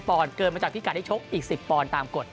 อนด์เกิดมาจากพิการได้ชกอีก๑๐ปอนด์ตามกฎ